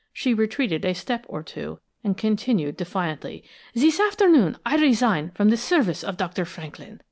She retreated a step or two, and continued defiantly: "This afternoon I resign from the service of Dr. Franklin!